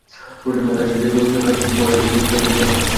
কাজ শেষে কোয়ারিতে ফেলে দিই, স্যার।